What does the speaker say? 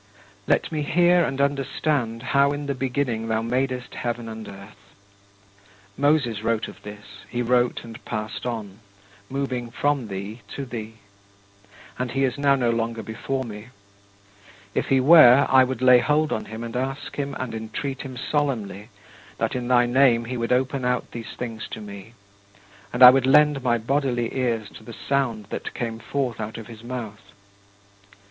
Let me hear and understand how in the beginning thou madest heaven and earth. Moses wrote of this; he wrote and passed on moving from thee to thee and he is now no longer before me. If he were, I would lay hold on him and ask him and entreat him solemnly that in thy name he would open out these things to me, and I would lend my bodily ears to the sounds that came forth out of his mouth.